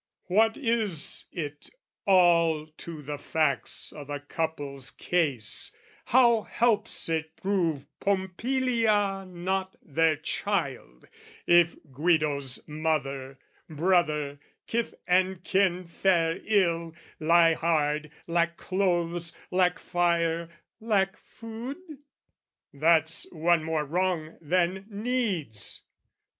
What is it all to the facts o' the couple's case, How helps it prove Pompilia not their child, If Guido's mother, brother, kith and kin Fare ill, lie hard, lack clothes, lack fire, lack food? That's one more wrong than needs.